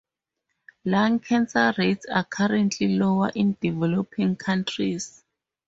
Lung cancer rates are currently lower in developing countries.